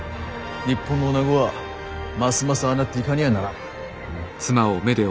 日本のおなごはますますああなっていかにゃならん。